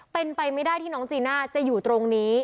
เป็นไปไม่ได้ที่น้องจีน่าจะอยู่ตรงนี้